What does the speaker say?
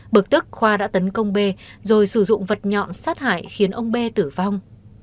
bực tức khoa đã tấn công b rồi sử dụng vật nhọn sát hại khiến ông b tử vong